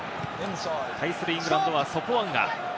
対するイングランドはソポアンガ。